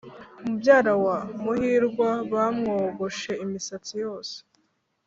mubyara wa muhirwa bamwogoshe imisatsi yose